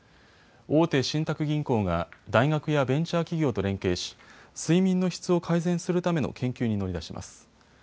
大手信託銀行が大学やベンチャー企業と連携し睡眠の質を改善するための研究に乗り出します。